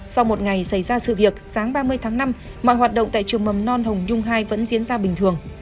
sau một ngày xảy ra sự việc sáng ba mươi tháng năm mọi hoạt động tại trường mầm non hồng nhung hai vẫn diễn ra bình thường